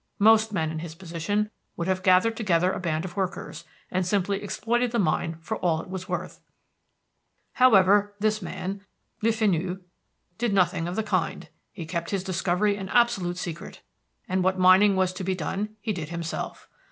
Most men in his position would have gathered together a band of workers, and simply exploited the mine for all it was worth. However, this man, Le Fenu, did nothing of the kind. He kept his discovery an absolute secret, and what mining was to be done, he did himself.